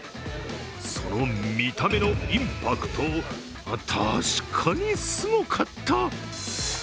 その見た目のインパクト、確かにすごかった！